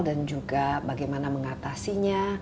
dan juga bagaimana mengatasinya